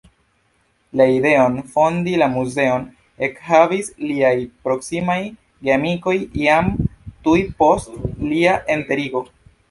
La ideon fondi la muzeon ekhavis liaj proksimaj geamikoj jam tuj post lia enterigo.